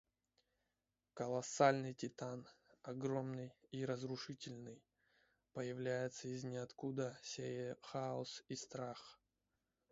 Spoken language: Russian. Колоссальный титан, огромный и разрушительный, появляется из ниоткуда, сея хаос и страх.